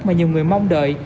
mà nhiều người mong đợi